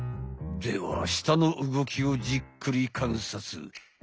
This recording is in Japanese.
では舌の動きをじっくりかんさつ。